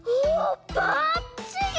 ばっちり！